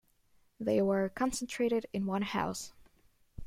They were concentrated in one house.